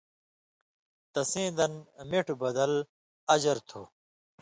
تسیں دن مِٹھوۡ بدل (اجر) تُھو،